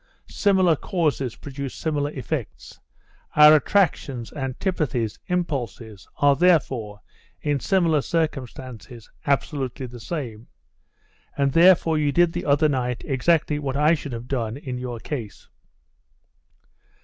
Similar causes produce similar effects; our attractions, antipathies, impulses, are therefore, in similar circumstances, absolutely the same; and therefore you did the other night exactly what I should have done in your case.